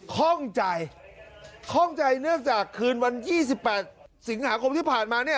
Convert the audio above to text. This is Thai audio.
ข้องใจคล่องใจเนื่องจากคืนวัน๒๘สิงหาคมที่ผ่านมาเนี่ย